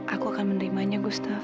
aku akan menerimanya gustaf